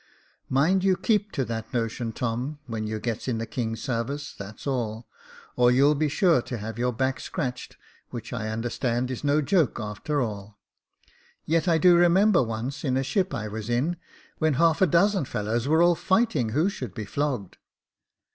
*' Mind you keep to that notion, Tom, when you gets in the king's sarvice, that's all ; or you'll be sure to have your back scratched, which I understand is no joke a'ter all. Yet I do remember once, in a ship I was in, when half a dozen fellows were all fighting who should be flogged."